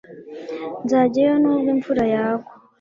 Nzajyayo nubwo imvura yagwa